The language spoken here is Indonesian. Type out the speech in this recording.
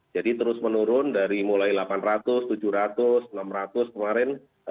jadi terus menurun dari mulai rp delapan ratus rp tujuh ratus rp enam ratus kemarin